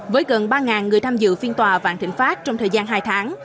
với gần ba người tham dự phiên tòa vạn thịnh pháp trong thời gian hai tháng